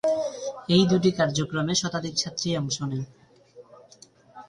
এই দুটি কার্যক্রমে শতাধিক ছাত্রী অংশ নেয়।